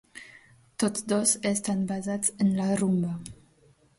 Tots dos estan basats en la rumba.